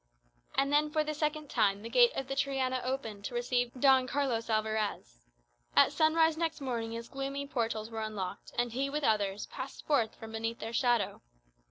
And then, for the second time, the gate of the Triana opened to receive Don Carlos Alvarez. At sunrise next morning its gloomy portals were unlocked, and he, with others, passed forth from beneath their shadow.